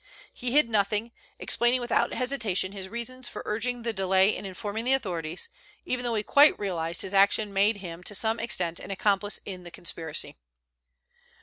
He hid nothing, explaining without hesitation his reasons for urging the delay in informing the authorities, even though he quite realized his action made him to some extent an accomplice in the conspiracy.